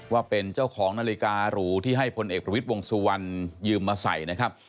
ว่าเป็นเจ้าของนาฬิการูที่ให้พลเอกประวิทย์วงสุวรรณยืมมาใส่นะครับ